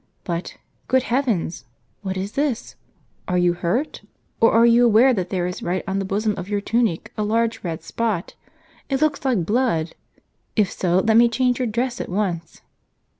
But, good heavens ! what is this ? Are you hurt ? Or are you Saint Agu( aware that there is, right On the bosom of your tunic, a large red spot — it looks like blood. If so, let me change your dress at once."